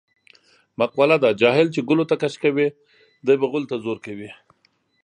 مقوله ده: جاهل چې ګلوته کش کوې دی به غولو ته زور کوي.